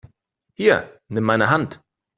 Hier, nimm meine Hand!